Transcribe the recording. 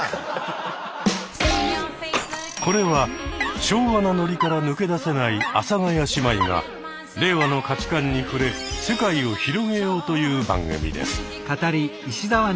これは昭和のノリから抜け出せない阿佐ヶ谷姉妹が令和の価値観に触れ世界を広げようという番組です。